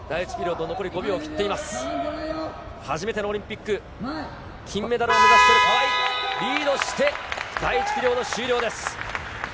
初めてのオリンピック金メダルを目指している川井リードして第１ピリオド終了です。